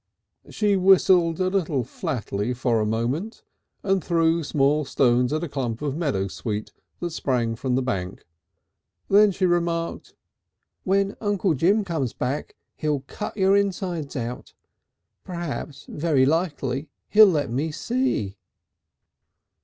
She whistled a little flatly for a moment, and threw small stones at a clump of meadow sweet that sprang from the bank. Then she remarked: "When Uncle Jim comes back he'll cut your insides out.... P'raps, very likely, he'll let me see."